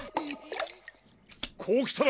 こうきたら？